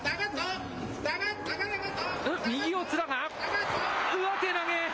右四つだが、上手投げ。